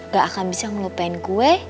gak akan bisa melupain gue